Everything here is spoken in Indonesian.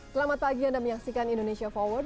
selamat pagi anda menyaksikan indonesia forward